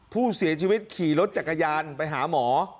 ผู้เสียชีวิตขี่รถจักรยานไปหาหมอ